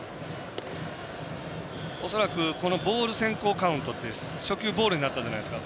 恐らく、ボール先行カウント初球ボールになったじゃないですか。